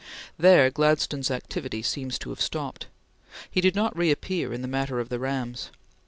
There Gladstone's activity seems to have stopped. He did not reappear in the matter of the rams.